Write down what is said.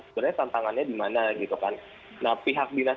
sebenarnya tantangannya di mana gitu kan